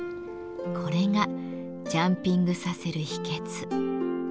これがジャンピングさせる秘けつ。